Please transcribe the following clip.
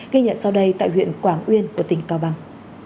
ghi nhận sau đây tại huyện quảng uyên của tỉnh cao bằng